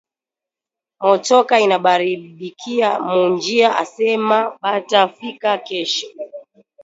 Motoka inabaaribikia mu njia asema bata fika kesho